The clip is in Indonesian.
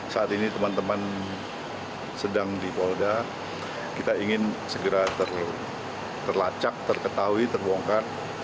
saat ini teman teman sedang di polda kita ingin segera terlacak terketahui terbongkar